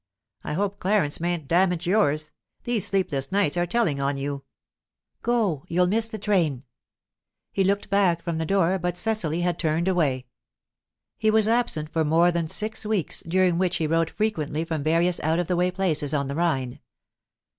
"I hope Clarence mayn't damage yours. These sleepless nights are telling on you." "Go. You'll miss the train." He looked back from the door, but Cecily had turned away. He was absent for more than six weeks, during which he wrote frequently from various out of the way places on the Rhine.